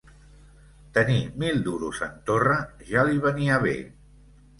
Tenir mil duros en torra ja li venia bé